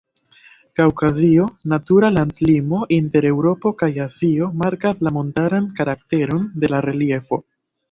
Kaŭkazio, natura landlimo inter Eŭropo kaj Azio, markas la montaran karakteron de la reliefo.